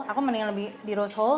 aku lebih baik di roast whole